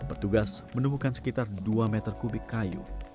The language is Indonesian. petugas menemukan sekitar dua meter kubik kayu